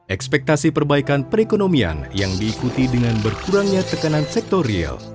ekspektasi perbaikan perekonomian yang diikuti dengan berkurangnya tekanan sektor real